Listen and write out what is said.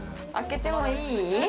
開けてもいい？